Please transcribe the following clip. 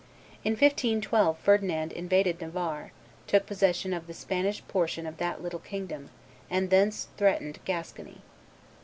In 1512 Ferdinand invaded Navarre, took possession of the Spanish portion of that little kingdom, and thence threatened Gascony.